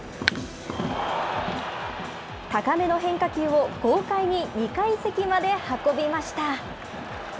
高めの変化球を豪快に２階席まで運びました。